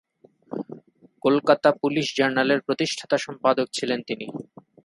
Kolkata police জার্নালের প্রতিষ্ঠাতা সম্পাদক ছিলেন তিনি।